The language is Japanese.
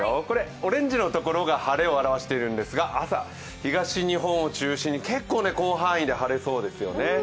オレンジのところは晴れを表しているんですが朝、東日本を中心に結構広範囲で晴れそうですよね。